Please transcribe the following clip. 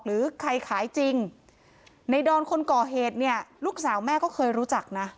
หรือใครขายจริงในดอนคนก่อเหตุเนี่ยลูกสาวแม่ก็เคยรู้จักนะ